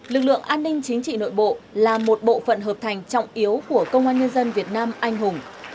lực lượng an ninh chính trị nội bộ là một bộ phận hợp thành trọng yếu của công an nhân dân việt nam anh hùng